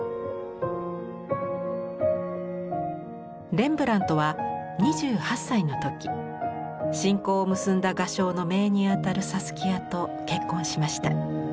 レンブラントは２８歳の時親交を結んだ画商のめいに当たるサスキアと結婚しました。